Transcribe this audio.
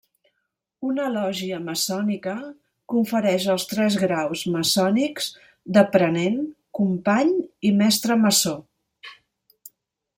Una lògia maçònica confereix els tres graus maçònics d'Aprenent, Company, i Mestre Maçó.